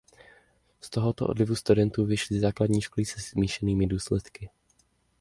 Z tohoto odlivu studentů vyšly základní školy se smíšenými důsledky.